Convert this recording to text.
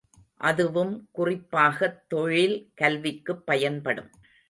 அதுவும் குறிப்பாகத் தொழில் கல்விக்குப் பயன்படும்.